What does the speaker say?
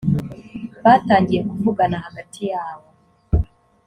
batangiye kuvugana hagati yabo